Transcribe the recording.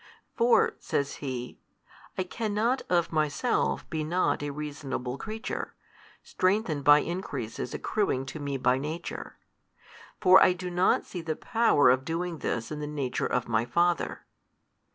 For (says he) I cannot of myself be not a reasonable creature, strengthened by increases accruing to me by nature: for I do not see the power of doing this in the nature of my father.